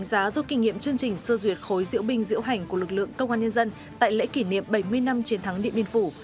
đã giúp kinh nghiệm chương trình sơ duyệt khối diễu binh diễu hành của lực lượng công an nhân dân tại lễ kỷ niệm bảy mươi năm chiến thắng điện biên phủ